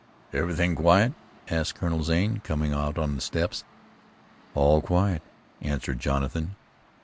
"Everything quiet?" asked Colonel Zane, coming out on the steps. "All quiet," answered Jonathan.